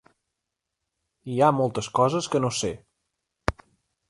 Hi ha moltes coses que no sé.